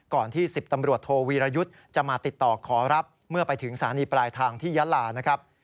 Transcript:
ที่๑๐ตำรวจโทวีรยุทธ์จะมาติดต่อขอรับเมื่อไปถึงสถานีปลายทางที่ยาลานะครับ